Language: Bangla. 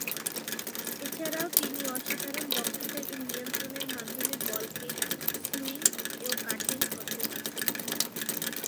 এছাড়াও তিনি অসাধারণ দক্ষতা এবং নিয়ন্ত্রণের মাধ্যমে বলকে সুইং ও কাটিং করতে পারতেন।